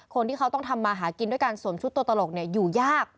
คนที่เขาต้องทำมาหากินด้วยการสวมชุดตัวตลกอยู่ยาก